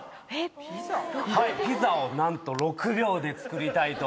ピザをなんと６秒で作りたいと思います。